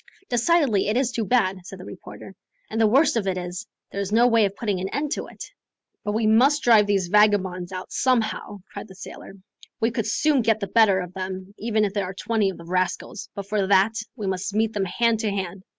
"Decidedly it is too bad," said the reporter; "and the worst of it is, there is no way of putting an end to it." "But we must drive these vagabonds out somehow," cried the sailor. "We could soon get the better of them, even if there are twenty of the rascals; but for that, we must meet them hand to hand.